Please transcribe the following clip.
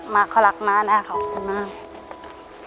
เขารักมากนะขอบคุณมาก